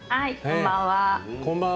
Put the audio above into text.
こんばんは。